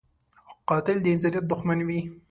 قاتل د انسانیت دښمن وي